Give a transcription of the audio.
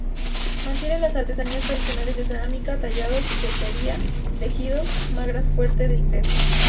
Mantienen las artesanías tradicionales de cerámica, tallado, cestería, tejidos; magra fuente de ingresos.